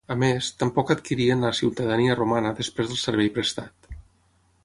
A més, tampoc adquirien la ciutadania romana després del servei prestat.